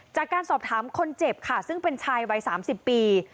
จากการสอบถามคนเจ็บค่ะซึ่งเป็นชายวัย๓๐ปี